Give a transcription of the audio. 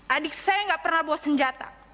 adik saya tidak pernah membawa senjata